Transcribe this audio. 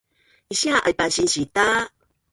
Isia aipa sinsi ta